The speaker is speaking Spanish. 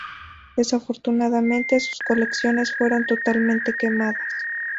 Desafortunadamente, sus colecciones fueron totalmente quemadas.